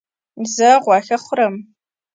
زه غوښه خورم